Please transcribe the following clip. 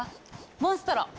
モンストロ！